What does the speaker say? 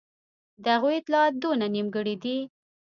د هغوی اطلاعات دونه نیمګړي دي.